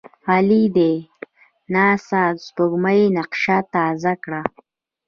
عالي ده! ناسا د سپوږمۍ نقشه تازه کړه.